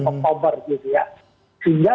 oktober gitu ya sehingga